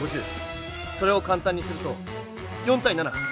それをかんたんにすると４対７。